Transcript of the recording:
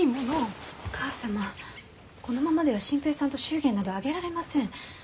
お母様このままでは心平さんと祝言など挙げられません。